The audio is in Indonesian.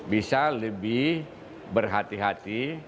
bisa lebih berhati hati